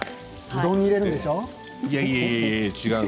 うどんに入れるんでしょう。